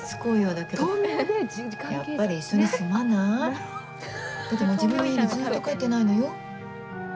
だってもう自分の家にずっと帰ってないのよ？